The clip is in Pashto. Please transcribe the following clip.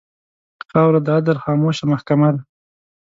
خاوره د عدل خاموشه محکمـه ده.